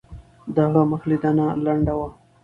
د هغه مخ لیدنه لنډه وه.